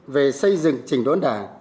bốn về xây dựng chỉnh đốn đảng